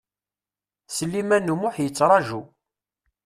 Sliman U Muḥ yettraǧu.